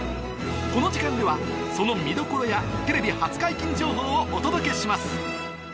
この時間ではその見どころやテレビ初解禁情報をお届けします